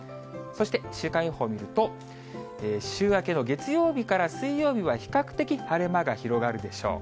そして週間予報見ると、週明けの月曜日から水曜日は、比較的晴れ間が広がるでしょう。